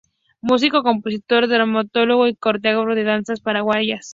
Músico, compositor, dramaturgo y coreógrafo de danzas paraguayas.